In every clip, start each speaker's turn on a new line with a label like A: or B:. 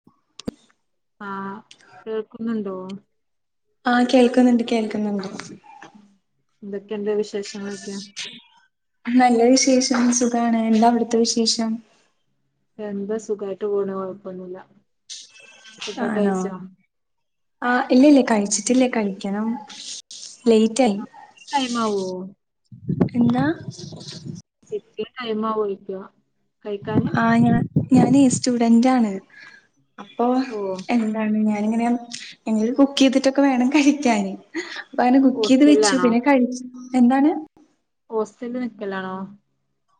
A: [inaudible]
B: ആ കേൾക്കുന്നുണ്ടോ?
A: ആ കേൾക്കുന്നുണ്ട്. കേൾക്ക
B: എന്തൊക്കെണ്ട് വിശേ
A: നല്ല വിശേഷം സുഖാണ്. എന്താ അവിടുത്തെ വിശേഷം?
B: എന്താ സുഖമായിട്ട് പോണു. കുഴപ്പൊന്നുമില്ല.
A: ആണോ. ആ ഇല്ലല്ല കഴിച്ചിട്ടില്ല കഴിക്കണം. ലേറ്റായി
B: ടൈം ആവോ
A: എന്നാ
B: ഇച്ചിരി ടൈം ആവോന്ന് ചോയ്ക്കാ.
A: ആ ഞാ ഞാനനെ സ്റ്റുഡന്റാണ്. അപ്പൊ
B: ഓ
A: എന്താണ് ഞാനിങ്ങനെ. എനിക്കിനി കുക്ക് ചെയ്തിട്ടൊക്കെ വേണം കഴിക്കാന്. അപ്പ അങ്ങനെ കുക്ക് ചെയ്ത് വെച്ചു
B: ഹോസ്റ്റലിലാണോ
A: പിന്നെ കഴിച്ച എന്താണ്?
B: ഹോസ്റ്റലിൽ നിൽക്കലാണോ?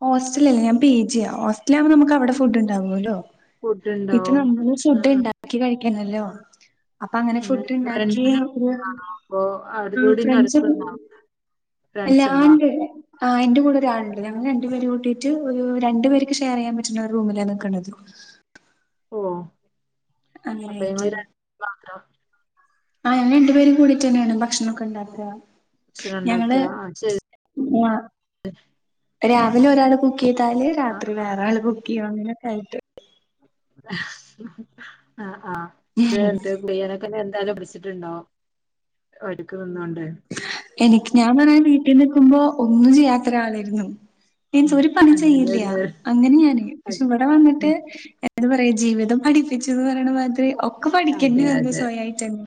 A: ഹോസ്റ്റല് അല്ല ഞാൻ പി ജി യാ. ഹോസ്റ്റല് ആവുമ്പോ നമുക്കവിടെ ഫുഡ്ണ്ടാവുവല്ലോ.
B: ഫുഡ്
A: ഇപ്പൊ
B: ഉണ്ടാവും
A: നമ്മളന്നെ
B: ആഹ്
A: ഫുഡ്
B: ആഹ്
A: ഇണ്ടാക്കി കഴിക്കാണല്ലോ. അപ്പൊ അങ്ങനെ
B: പിന്നെ
A: ഫുഡ് ഇണ്ടാക്കിയ,
B: റെന്റിന് അപ്പൊ അവിടെ
A: മ്
B: വീടിന്റെ
A: ഫ്രണ്ട്സും
B: അടുത്തുണ്ടോ ഫ്രണ്ട്സ് ഉണ്ടോ
A: അല്ലാണ്ടന്നെ ആ എന്റെ കൂടെ ഒരാളുണ്ട്. ഞങ്ങൾ രണ്ടുപേര് കൂട്ടിട്ട് ഒരു രണ്ടു പേർക്ക് ഷെയർ ചെയ്യാൻ പറ്റുന്ന ഒരു റൂമിലാണ് നിൽക്കണത്.
B: ഓ അപ്പൊ
A: അങ്ങനെയായിട്ട്
B: ഇങ്ങള് രണ്ട് [inaudible] മാത്രം
A: ആ ഞങ്ങള് രണ്ട് പേര് കൂടിയിട്ടാണ് ഭക്ഷണൊക്കെ ഉണ്ടാക്കുക.
B: ഭക്ഷണം
A: ഞങ്ങള്
B: ഉണ്ടാക്കുക. ആ ശെരി.
A: ആ രാവിലെ ഒരാള് കുക്ക് ചെയ്താല്
B: ആഹ്
A: രാത്രി
B: ആഹ്
A: വേറെ ആൾ കുക്ക് ചെയ്യും. അങ്ങനൊക്കെ ആയിട്ട്.
B: ഹഹ് ആഹ് ആ
A: ആയിട്ട്
B: [unintelligible] അങ്ങനെ എന്തായാലും പിടിച്ചിട്ടുണ്ടോ. ഒരുക്ക്‌ നിന്നണ്ട്
A: എനിക്ക് ഞാൻ ആണേ വീട്ടിൽ നിക്കുമ്പോ ഒന്നും ചെയ്യാത്തൊരാളായിരുന്നു. മീൻസ്
B: ഉം
A: ഒരു പണിയും
B: അങ്ങനെയുള്ള
A: ചെയ്യില്ല്യാ. അങ്ങനെ ഞാന് പക്ഷെ
B: അതെ
A: ഇവിടെ വന്നിട്ട് ഏ എന്താ പറയാ ജീവിതം പഠിപ്പിച്ചുന്ന് പറയണ മാതിരി, ഒക്കെ പഠിക്കണ്ടി വന്നു
B: അതെ
A: സ്വയമായിട്ടന്നെ.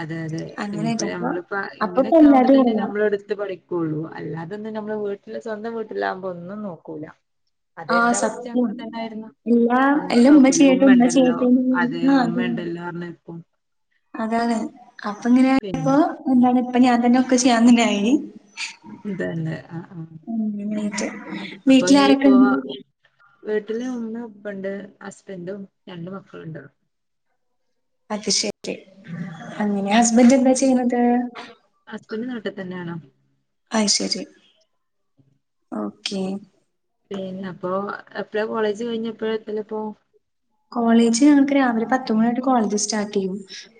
B: അതെ അതെ ഇനിയിപ്പ നമ്മളിപ്പ
A: അപ്പൊപ്പൊ
B: ഇങ്ങനെയൊക്കെ ആവുമ്പോ
A: എല്ലാതും
B: തന്നെ
A: അറിയാം
B: നമ്മളടുത്ത് പഠിക്ക ക്കുള്ളൂ അല്ലാതൊന്നും നമ്മള് വീട്ടില് സ്വന്തം വീട്ടിലാകുമ്പോ ഒന്നും നോക്കൂല. അത്
A: ആഹ്
B: എന്റെ അവസ്ഥ
A: സത്യം.
B: അങ്ങനെ തന്നൊയിരുന്നു
A: എല്ലാ
B: ഒന്നും
A: എല്ലാം ഉമ്മ ചെയ്യട്ടെ ഉമ്മ ചെയ്യട്ടെ. ആ
B: വേണ്ട എല്ലാ പറഞ്ഞെ ഇപ്പം.
A: അതാണ് അപ്പൊ
B: പിന്നെ
A: ഇങ്ങനെയപ്പോ എന്താണ്. പ്പൊ ഞാൻ തന്നെ ഒക്കെ ചെയ്യാൻ തന്നെ ആയി.
B: ഇതന്നെ ആ ആ.
A: മ് എണീറ്റ്. വീട്ടിൽ ആരൊക്കെ ഇണ്ട്?
B: വീട്ടില് ഉമ്മേം, ഉപ്പണ്ട്, ഹസ്ബൻഡും, രണ്ട് മക്കളുണ്ട്.
A: അത് ശെരി. അങ്ങനെ
B: ഉം
A: ഹസ്ബൻഡ് എന്താ ചെയ്യണത്?
B: ഹസ്ബൻഡ് നാട്ടിൽ തന്നെ ആണോ?
A: അയ്ശെരി. ഓക്കെ.
B: പിന്നെ അപ്പൊ എപ്പഴാ കോളേജ് കഴിഞ് എപ്പോഴാ എത്തല് അപ്പോ?
A: കോളേജ് ഞങ്ങൾക്ക് രാവിലെ പത്തുമണി തൊട്ട് കോളേജ് സ്റ്റാർട്ട് ചെയ്യും,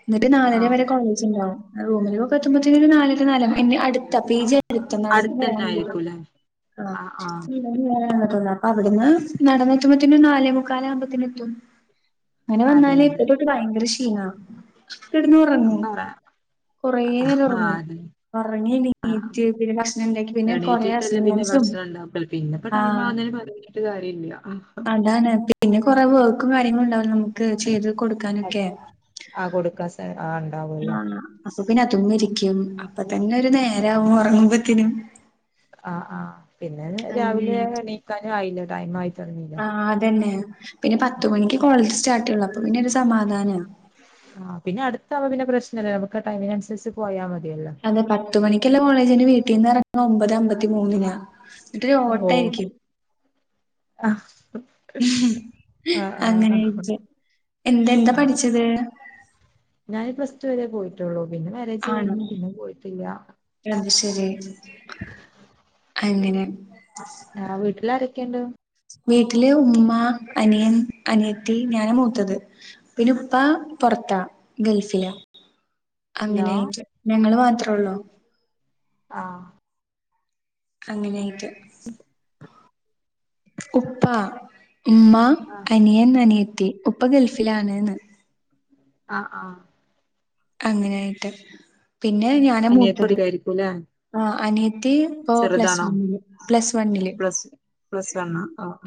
A: എന്നിട്ട് നാലര
B: ആഹ്
A: വരെ കോളേജ് ഇണ്ടാവും. റൂമിലൊക്കെ എത്തുമ്പോത്തേക്ക് ഒരു നാലര നാലും പിന്നെ അടുത്ത പി ജി
B: ആഹ്
A: അടുത്താ നടന്ന്
B: അടുത്തന്നെ
A: വരാൻ ഉള്ളോ.
B: ആയിരിക്കൂല്ലേ ആഹ് ആഹ്
A: ത്ത അപ്പൊ അവിടുന്ന് നടന്ന്‌ എത്തുമ്പോത്തേനും ഒരു നാലേ മുക്കാല ആകുമ്പോത്തേന് എത്തും. അങ്ങനെ
B: അതെ
A: വന്നാല്
B: അതെ
A: ഇപ്പത്തൊട്ട് ഭയങ്കര ക്ഷീണാ കിടന്ന് ഉറങ്ങും
B: പറ
A: കുറേ നേരം
B: ആഹ്
A: ഉറങ്ങും
B: അതെ
A: ഉറങ്ങി
B: ആഹ്
A: എണീറ്റ് പിന്നെ ഭക്ഷണം ഉണ്ടാക്കി പിന്നെ
B: എണീറ്റിട്ടല്ലേ പിന്നെ
A: കൊറെഅസ്സിഗ്ന്മെന്റ്സും
B: ഭക്ഷണം
A: ആഹ്
B: ട്ട് കാര്യല്ല
A: അതാണ് പിന്നെ കൊറേ വർക്കും കാര്യങ്ങളും ഉണ്ടാവല്ലോ നമുക്ക് ചെയ്ത് കൊടുക്കാനൊക്കെ
B: ആഹ് കൊടുക്കാൻ സെ ആൺ
A: ആഹ് അപ്പൊ പിന്നെ അതും വിരിക്കും അപ്പൊ തന്നെ ഒരു നേരാവും ഒറങ്ങുമ്പോത്തേനും
B: ആഹ് ആഹ് പിന്നെ
A: അങ്ങനെ
B: രാവിലെ എണീക്കാനും ആയില്ലേ ടൈം ആയില്ലേ?
A: ആ അതന്നെ പിന്നെ പത്ത് മണിക്ക് കോളേജ് സ്റ്റാർട്ട് ചെയുള്ളു അപ്പൊ പിന്നെ ഒരു സമാധാന
B: ആ പിന്നെ അടുത്താവുമ്പോ പിന്നെ പ്രശ്നല്ല നമുക്ക് ടൈമിനനുസരിച്ച് പോയാ മതിയല്ലോ
A: അതെ പത്ത് മണിക്കുള്ള കോളേജിന് വീട്ടീന്ന് ഇറങ്ങണ ഒമ്പത് അമ്പത്തി മൂന്നിനാ ഇന്നിട്ടൊരു ഓട്ട
B: ഓഹ്
A: ആയിരിക്കും
B: ആഹ് ആഹ്
A: അങ്ങനെയൊക്കെ എന്താ എന്താ
B: ആഹ്
A: പഠിച്ചത്
B: ഞാന് പ്ലസ് ടു വരെ പോയിട്ടുള്ളൂ പിന്നെ മാര്യേജ്
A: ആണോ
B: കഴിഞ്ഞ് പിന്നെ പോയിട്ടില്ല
A: [unintelligible] ശരി അങ്ങനെ
B: ആഹ് വീട്ടിൽ ആരൊക്കേണ്ട്
A: വീട്ടിലെ ഉമ്മ അനിയൻ അനിയത്തി ഞാന് മൂത്തത് പിന്നെ ഇപ്പാ പുറത്താ ഗൾഫില്
B: ഹലോ
A: അങ്ങനെയറ്റ് ഞങ്ങള് മാത്രേ ഉള്ളൂ
B: ആഹ്
A: അങ്ങനെയായിട്ട്
B: [unintelligible]
A: ഉപ്പ ഉമ്മ അനിയൻ അനിയത്തി ഉപ്പ ഗൾഫിലാണ്ന്ന്
B: ആഹ് ആഹ്
A: അങ്ങനെയായിട്ട് പിന്നെ ഞാന
B: അനിയത്തി
A: മൂത്തത്
B: പഠിക്കായിരിക്കുംല്ലേ
A: ആഹ് അനിയത്തി ഇപ്പ പ്ലസ്
B: ചെറുതാണോ
A: വില് പ്ലസ് വണ്ണില്
B: പ്ലസ് പ്ലസ് വണ്ണാ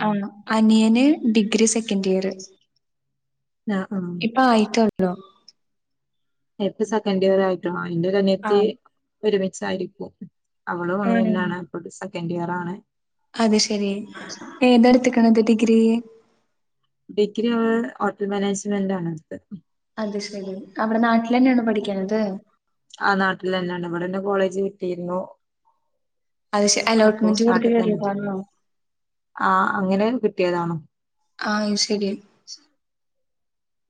A: ആഹ് അനിയന് ഡിഗ്രി സെക്കൻഡ് ഇയർ
B: ആഹ് ആഹ്
A: ഇപ്പ ആയിത്തോള്ളു
B: ഏപ്പ സെക്കൻ് ഇയർ ആയിട്ടുള്ളോ ആ ഇന്റെ ഒരു
A: ആ
B: അന്യത്തി ഒരുമിച്ച ആയിരിക്കും അവളു
A: ആണ്
B: [unintelligible] ലാണ് പ്പ സെക്കൻഡ് ഇയർ ആണ്
A: അത് ശെരി ഏതടുത്തക്കണത് ഡിഗ്രി
B: ഡിഗ്രി ഹോട്ടൽ മാനേജ്മെന്റ് ആണ് ഇട്ത്താത്
A: അത് ശെരി അവിടെ നാട്ടിൽ തന്നെയണ പഠിക്കുന്നത്
B: ആ നാട്ടിൽ ന്നെയാണ് ഇവിടെന്നെ കോളേജ് കിട്ടിയിരുന്നു
A: അത്ശ
B: അപ്പൊ
A: അലോട്ട്മെന്റ് കൊടു
B: നാട്ടിൽ തന്നെ
A: കേറിയതണോ
B: ആഹ് അങ്ങനെ കിട്ടിയതാണ്
A: ആഹ് ശെരി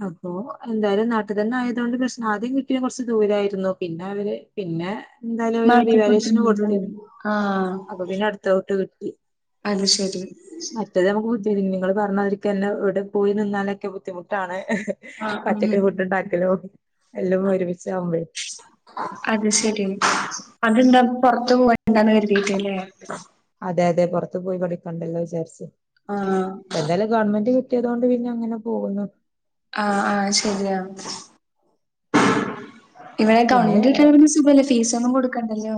B: അപ്പൊ എന്തായാലും നാട്ടു തന്നെ ആയത് കൊണ്ട് പ്രശ്നം ആദ്യം കിട്ടി കൊറച്ച് ദൂരായിരുന്നു പിന്നെ അവര് പിന്നെ എന്തായാലും ഒരു
A: മാറ്റി
B: റിവാലേഷന്
A: കൊടുക്കുന്നുണ്ടല്ലേ?
B: കൊടുത്തിരുന്നു
A: ആ
B: അപ്പൊ പിന്നെ അടുത്ത ഔട്ട് കിട്ടി
A: അത് ശെരി
B: മറ്റേത് നമുക്ക് ബുദ്ധി [unintelligible] നിങ്ങൾ പറഞ്ഞതിരിക്കന്നെ ഇവിടെ പോയി നിന്നാലൊക്കെ ബുദ്ധിമുട്ടാണ്
A: ആ ഉം.
B: ഒറ്റക് ഫുട് ണ്ടാക്കലോ എല്ലാം ഒരുമിച്ച് ആവുമ്പോളെ
A: അത് ശെരി അതന്ത പുറത്ത് പോണ്ടാന്ന് കരുതിയിട്ടല്ലേ
B: അതെ അതെ പുറത്ത് പോയി പഠിക്കണ്ടല്ലോ വിചാരിച്ച്
A: ആ
B: ഇപ്പ എന്തായാലും ഗവൺമെന്റ്കി ട്ടിയതുകൊണ്ട് പിന്നെ അങ്ങനെ പോകുന്നു
A: ആഹ് ആഹ് ശരിയാ ഇവിടെ
B: പിന്നെ
A: ഗവൺമെന്റി കിട്ട്യാ പിന്നേ സുഖല്ലേ ഫീസൊന്നും കൊടുക്കണ്ടല്ലോ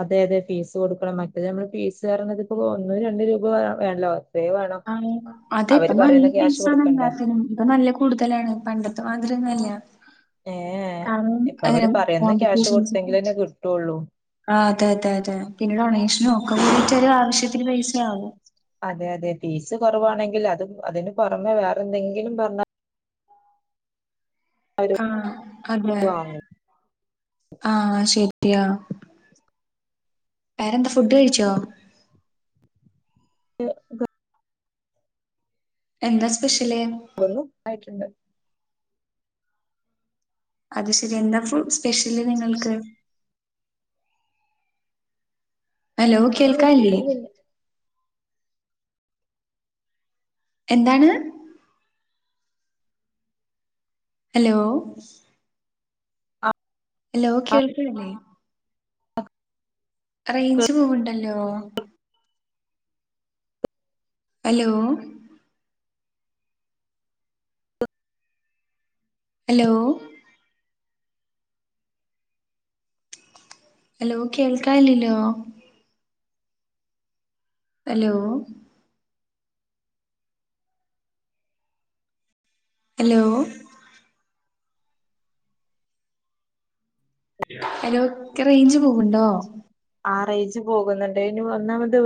B: അതെ അതെ ഫീസ് കൊടുക്കണം മറ്റേ നമ്മള് ഫീസ് പറയണത് ഇപ്പോ ഒന്നു രണ്ട് രൂപ വേ വേണല്ലോ വേണം
A: ആഹ് അതെ ഇപ്പ
B: അവര്
A: നല്ല
B: പറയുന്ന ക്യാഷ്
A: ഫീസാണ്
B: കൊടുക്കണ്ടേ
A: എല്ലാത്തിനും ഇപ്പ നല്ല കൂടുതലാണ് പണ്ടത്തെ മാതിരിയൊന്ന് അല്ല
B: ഏ
A: കാരണം
B: ഇപ്പൊ
A: എം [unintelligible]
B: ട്ടൊള്ളു
A: ആഹ് അതെ അതെ അതെ പിന്നെ ഡൊണേഷനും ഒക്കെ പോയിട്ട് ഒരു ആവശ്യത്തിന് പൈസയാവും
B: അതെ അതെ ഫീസ് കുറവാണെങ്കിൽ അത് അതിന് പുറമെ വേറെ എന്തെങ്കിലും പറഞ്ഞാ
A: ആഹ് അതെ
B: വാങ്ങും
A: ആഹ് ശെരിയാ വേറെന്താ ഫുഡ് കഴിച്ചോ
B: [unintelligible]
A: എന്താ സ്പെഷ്യല്
B: ഒന്നും ആയിട്ടുണ്ട്
A: അത് ശരി എന്താ ഫു സ്പെഷ്യല് നിങ്ങൾക്ക് ഹലോ കേൾക്കാ
B: കിട്ടി
A: ഇല്ല്യേ എന്താണ് ഹലോ ഹലോ കേൾക്കണില്ലേ റേഞ്ച് പോവിണ്ട്ല്ലോ ഹലോ ഹലോ ഹലോ കേൾക്കാ ഇല്ലല്ലോ ഹലോ ഹലോ ഹലോ ക് റേഞ്ച് പോക്ൺണ്ടോ
B: ആഹ് റേഞ്ച് പോകുന്നുണ്ട് ഇനി ഒന്നാമത്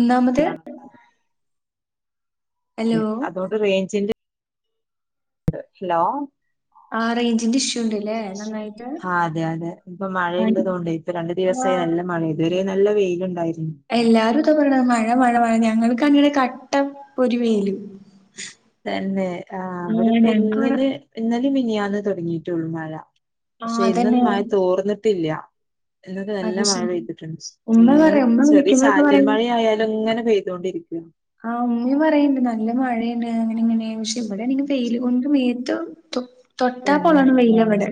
A: ഒന്നാമത് ഹലോ
B: അതുകൊണ്ട് റേഞ്ചിന്റെ [unintelligible] ഹലോ
A: ആ റേഞ്ചിന്റെ ഇഷ്യൂ ഉണ്ടല്ലേ നന്നായിട്ട്
B: ആഹ് അതെ അതെ ഇപ്പൊ
A: ആ
B: മഴയിള്ളത് കൊണ്ടെ ഇപ്പ രണ്ടു
A: ആ
B: ദിവസായി നല്ല മഴ ഇതുവരേ നല്ല വെയിലിണ്ടായിരുന്നു
A: എല്ലാരും ഇതാ പറയണത് മഴ മഴ മഴ ഞങ്ങൾക്കാണെങ്കി ഇവിടെ കട്ട പൊരിവെയിലും
B: തന്നെ ആഹ് ഇവിടിപ്പ ഇന്നലെ ഇന്നലെ മിനിയാന്ന് തൊടങ്ങിയിട്ടുള്ളു മഴ
A: ആ
B: പക്ഷെ ഇന്നലെ
A: അതന്നെ
B: മഴ തോർന്നട്ടില്ല ഇന്നൊക്കെ നല്ല
A: അത്
B: മഴ
A: ശരി
B: പെപ്തിട്ടിണ്ട്
A: ഉമ്മ
B: ഇങ്ങനെ
A: പറയും ഉമ്മ
B: ചെറിയ
A: വിളിക്കുമ്പോഴൊക്കെ
B: ചാറ്റൽ
A: പറയും
B: മഴ ആയാലും ഇങ്ങനെ പെയ്തോണ്ടിരിക്കും
A: ആഹ് ഉമ്മയും പറയണെണ്ട് നല്ല മഴയാണ് അങ്ങനെങ്ങനെ പക്ഷെ ഇവിടെ വെയില് കൊണ്ട് വേത്ത് ത്തൊ
B: തന്നെ ആഹ്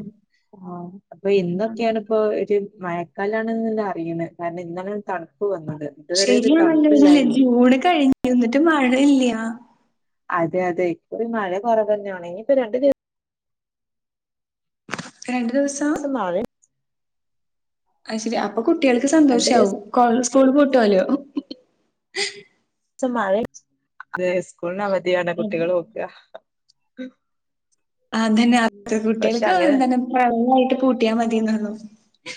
B: ആഹ് അപ്പൊ ഇന്നൊക്കെയാണ് ഇപ്പൊ ഒരു മഴക്കാലാണ്ന്നിള്ള അറിയണെ കാരണം ഇന്നാണൊരു തണുപ്പ് വന്നത് ഇതുവരെ ഒരു
A: ശരിയാണല്ലോ [unintelligible]
B: തണുപ്പില്ലായിരുന്നു
A: ജൂണ് കഴിഞ്ഞു എന്നിട്ടും മഴ ഇല്ല്യ
B: അതെ അതെ ഇപ്പഴും മഴ കൊറവ് തന്നെയാണ് ഇനിയിപ്പൊ രണ്ടു ദി
A: രണ്ട് ദിവസാ
B: [unintelligible]
A: അത് ശരി അപ്പൊ കുട്ടികൾക്ക്
B: രണ്ടു
A: സന്തോഷാവും കോൾ സ്കൂള് പൂട്ടുവല്ലോ
B: മഴ അ സ്കൂളന് അവധിയാണ്
A: അതെ
B: കുട്ടികൾ നോക്കുക
A: അ തന്നെ അത്തെ
B: പക്ഷെ
A: കുട്ടികൾക്ക്
B: അങ്ങനെ
A: ന്തെ വെള്ളയിട്ട് പൂട്ടിയാൽ മതിന്ന് ഒള്ളു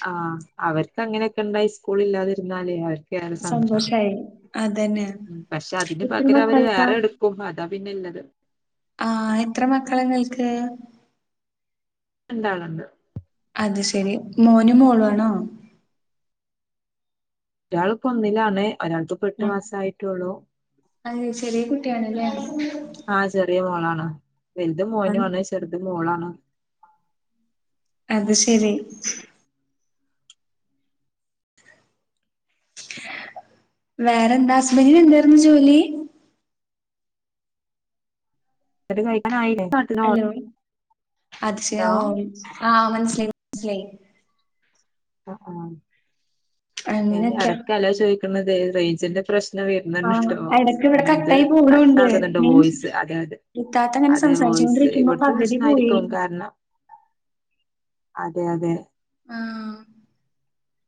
B: ആഹ് അവർക്ക് അങ്ങനെയൊക്കെ ഉണ്ടായി സ്കൂൾ ഇല്ലാതിരുന്നാലേ അവർക്ക് കേ സന്തോഷ
A: സന്തോഷായി അതന്നെ.
B: പക്ഷെ അതിന്റെ
A: എത്ര
B: പകര അവര്
A: മക്കള്?
B: വേറെ എടു കും അതാ പിന്നെള്ളത്
A: ആ എത്ര മക്കളാ നിങ്ങൾക്ക്
B: രണ്ടാളുണ്ട്
A: അത് ശെരി മോന് മോളു ആണോ
B: ഒരാൾ ഇപ്പോ ഒന്നിലാണ് ഒരാൾക്ക് ഇപ്പോ എട്ട് മാസം ആയിട്ടള്ളൂ
A: അതെ ചെറിയ കുട്ടിയണല്ലേ
B: ആഹ് ചെറിയ മോളാണ് വലുത്
A: ആ,
B: മോനു ആണ് ചെറുത് മോളാണ്
A: അത് ശരി വേറെന്താ ഹസ്ബന്റിന് എന്തായിരുന്നു ജോലി
B: അത് കഴിയാനായി [unintelligible]
A: അത്ശയ ഓ
B: ആ
A: ആഹ് മനസിലായി മനസിലായി
B: ആ ആ ഞൻ
A: അങ്ങനെയൊക്കെ.
B: അടക്ക ഹലോ ചോദിക്കു ന്നത് റേഞ്ചിന്റെ പ്രശ്നം [unintelligible] വരുന്നുണ്ട്
A: ആഹ്
B: ട്ടോ
A: എടക്ക് ഇവിടെ
B: ഇത്
A: കട്ടായി
B: കട്ട
A: പോണൂണ്ട്.
B: ആകുന്നുണ്ട്
A: മീൻസ്
B: വോയിസ് അറിയാതെ
A: ഇത്താത്ത ഇങ്ങനെ
B: അതെ വോയിസ്
A: സംസാരിച്ചോണ്ടിരിക്കുമ്പോ
B: ഇവിടുത്തെ
A: പകുതി
B: പ്രശ്ന
A: പോയി.
B: ആയിരിക്കും കാരണം അതെ അതെ
A: ആ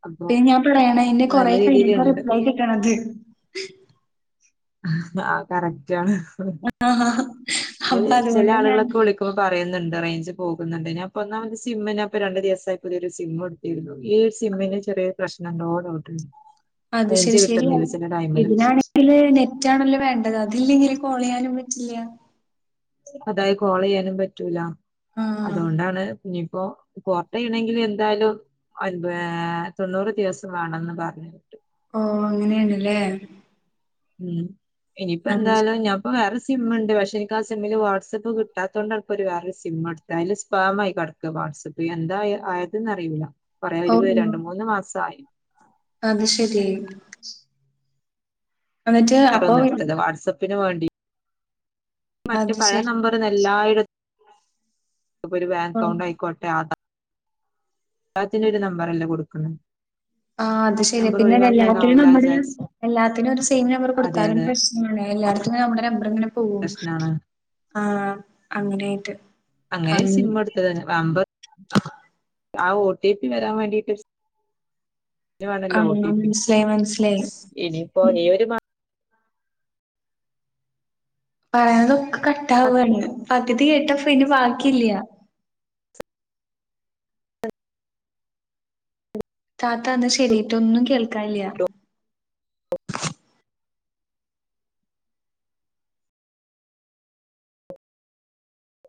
B: അപ്പൊ
A: പിന്ന ഞാൻ പറയണതിന്റെ
B: നല്ല
A: കൊറെ കഴിഞിട്ടാ
B: രീതിയിലുണ്ട്
A: റിപ്ലൈ കിട്ട്ണത്
B: ആഹ് കറക്റ്റ് ആണ്
A: ആഹാ
B: അത്
A: അപ്പൊ
B: ചില
A: അതുകൊണ്ട് ഞാൻ
B: ആളുകളൊക്കെ വിളിക്ക ഇപ്പ പറയുന്നുണ്ട് റേഞ്ച് പോകുന്നുണ്ട് ഞാൻ ഇപ്പോ ഒന്നാ സിമ്മന്നേ ആ രണ്ട് ദിവസായി പുതിയൊരു സിം ഈ ഒരു സിമ്മിന് ചെറിയ പ്രശ്നംണ്ടോ ഡൗട്ട് ഉണ്ട്
A: അത് ശരി ശരിയാ ഇതിനാണെങ്കില് ന റ്റാണല്ലോ വേണ്ടത് അതില്ലങ്കിൽ ഇങ്ങനെ കോൾ ചെയ്യാനും പറ്റില്ല
B: അതായി കോള് ചെയ്യാനും പറ്റൂല
A: ഉം
B: അതുകൊണ്ടാണ് ഞിപ്പോ പോർട്ട് ചെയ്യണെങ്കില് എന്തായാലും അൻപേ തൊണ്ണൂറ് ദിവസം വേണെന്ന് പറഞ്ഞ് കേട്ടു
A: ഓഹ് അങ്ങനെയാ നല്ലേ
B: ഇനിയിപ്പ
A: അത്
B: എന്തായാലും ഞാ ഇപ്പൊ വേറെ സിമ്മിണ്ട് പക്ഷെ എനിക്കാ സിമ്മില് വാട്സപ്പ് കിട്ടാത്ത കൊണ്ടാണിപ്പൊ ഒരു വേറെ സിമ്മ് എടു ന്തായാലും സ്പാമ് ആയി കെടക്ക വാട്സപ്പ് എന്തായ ആയതെന്ന് അറിയൂല്ല കൊറേ ഒരു
A: ഓഹ്
B: രണ്ട് മൂന്ന് മാസായി
A: അത് ശരി എന്നിട്ട് അപ്പൊ
B: വേറൊന്ന് എടുത്ത്ണ്ട് വാട്സപ്പിന് വേണ്ടി
A: അത്
B: മറ്റ്പഴേ
A: ശരി.
B: നമ്പറിന്ന് എല്ലായിട ഒരു ബാങ്ക്
A: ഓഹ്
B: അക്കൗണ്ട് ആയിക്കോട്ടെ ആധാ ല്ലാത്തിനും ഒരു നമ്പറല്ലേ കൊടുക്കുന്നെ
A: ആഹ് അത് ശരി പിന്നെ
B: ഒഴിവാക്കാനാവില്ല
A: എല്ലാത്തിനും
B: വിചാരിച്ച്
A: എല്ലാത്തിനും ഒരു സെയിം നമ്പർ
B: അതെ
A: കൊടുത്താലും
B: അതെ
A: പ്രശ്നാ എല്ലാടത്തും നമ്മുടെ നമ്പറിങ്ങനെ പോവും
B: പ്രശ്നാണ്
A: ആഹ് അങ്ങനെയായിട്ട്
B: അങ്ങനെ ഒരു
A: അങ്
B: സിമ്മെടുത്തത് തന്നെ വമ്പ് ആ ഒ ടി പി വരാൻ വേണ്ടിട്ട് ന് വേണോലോ
A: ആഹ്
B: ഒ ടി പി
A: മനസ്സിലായി മനസ്സിലായി
B: ഇനിപ്പോ ലീവ്
A: പറയുന്നതൊക്കെ കട്ടാവ്വാണ് പകുതി കേട്ട ഫിന്നെ ബാക്കിയില്ല താത്താന്നാ ശരിട്ടോ ഒന്നും കേൾക്കണില്ല